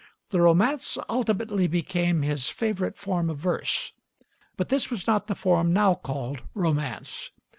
The romance ultimately became his favorite form of verse; but this was not the form now called romance.